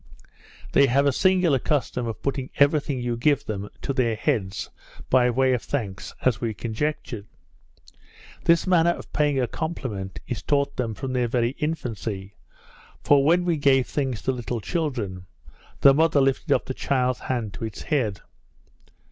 They have a singular custom of putting every thing you give them to their heads, by way of thanks, as we conjectured. This manner of paying a compliment, is taught them from their very infancy; for when we gave things to little children, the mother lifted up the child's hand to its head.